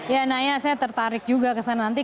ya naya saya tertarik juga kesana nanti